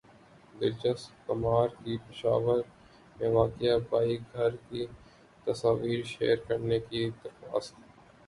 دلیپ کمار کی پشاور میں واقع بائی گھر کی تصاویر شیئر کرنے کی درخواست